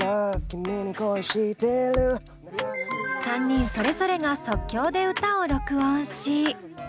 ３人それぞれが即興で歌を録音し。